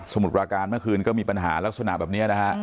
มุดปราการเมื่อคืนก็มีปัญหาลักษณะแบบนี้นะฮะ